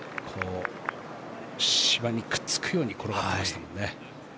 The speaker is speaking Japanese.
芝にくっつくように転がってましたもんね。